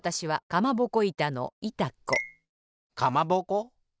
かまぼこ？